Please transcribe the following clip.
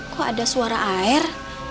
kok ada suara air